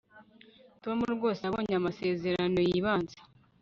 tom rwose yabonye amasezerano yibanze